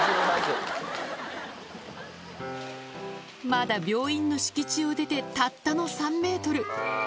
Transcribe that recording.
まだ病院の敷地を出てたったの３メートル。